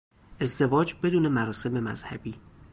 ازدواج بدون مراسم مذهبی